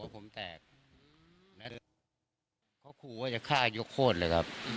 เขาขู่ว่าจะฆ่ายกโฆษเลยครับ